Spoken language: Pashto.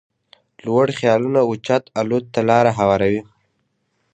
لوړ خيالونه اوچت الوت ته لاره هواروي.